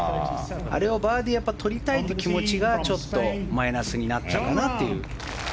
あれをバーディー取りたいという気持ちがちょっとマイナスになったかなという。